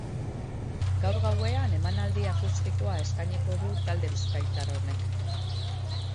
Gaur gauean emanaldi akustikoa eskainiko du talde bizkaitar honek.